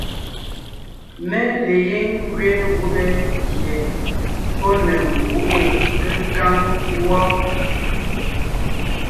Mé le gíŋ ngẅeen gubé gie pɔ́ ne ngúʼu kékáŋ wɔ́.